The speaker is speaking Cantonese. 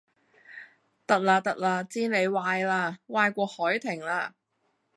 得喇得喇，知你壞喇，壞過凱婷喇